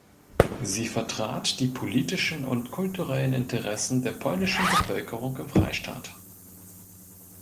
Sie vertrat die politischen und kulturellen Interessen der polnischen Bevölkerung im Freistaat.